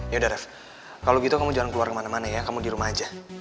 yaudah rev kalau gitu kamu jangan keluar kemana mana ya kamu di rumah aja